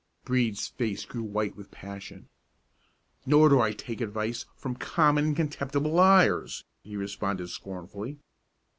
Brede's face grew white with passion. "Nor do I take advice from common and contemptible liars," he responded scornfully.